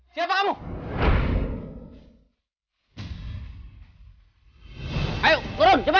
tidak dia sudah tiba